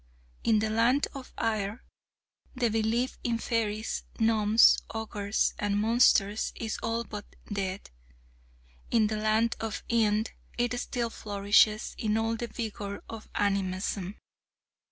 In the Land of Ire, the belief in fairies, gnomes, ogres and monsters is all but dead; in the Land of Ind it still flourishes in all the vigour of animism.